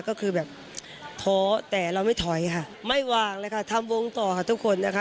ก็คือแบบท้อแต่เราไม่ถอยค่ะไม่วางเลยค่ะทำวงต่อค่ะทุกคนนะคะ